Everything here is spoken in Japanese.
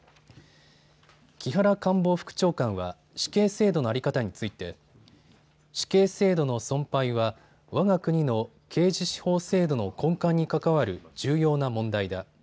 木原官房副長官は死刑制度の在り方について死刑制度の存廃はわが国の刑事司法制度の根幹に関わる重要な問題だ。